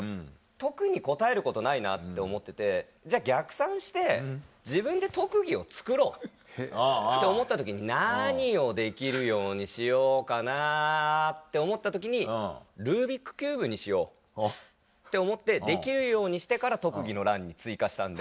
特に答えることないなって思っててじゃ逆算して自分で特技をつくろうって思った時に何をできるようにしようかなって思った時にルービックキューブにしようって思ってできるようにしてから特技の欄に追加したんで。